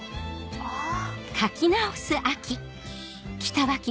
あぁ。